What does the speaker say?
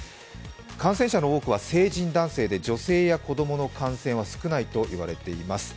感染者の多くは成人男性で、女性や子供の感染は少ないと言われています。